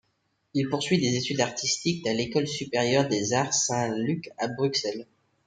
Il poursuit des études artistiques à l'École supérieure des arts Saint-Luc à Bruxelles.